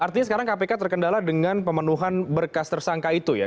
artinya sekarang kpk terkendala dengan pemenuhan berkas tersangka itu ya